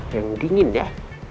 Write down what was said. yang dingin ya